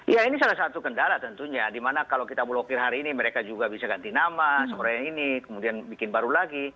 ya ini salah satu kendala tentunya dimana kalau kita blokir hari ini mereka juga bisa ganti nama seperti ini kemudian bikin baru lagi